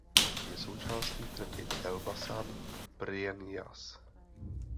Je součástí trati Elbasan–Prrenjas.